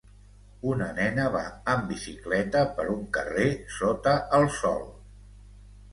Una nena va en bicicleta per un carrer sota el sol.